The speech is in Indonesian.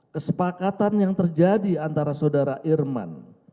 kesepakatan yang terjadi antara saudara irman